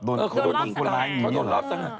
เธอโดนห้วงผู้ร้ายอย่างนั้น